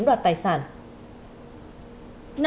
đoạt tài sản